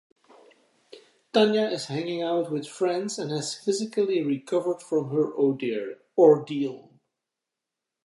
Tania is hanging out with friends and has physically recovered from her ordeal.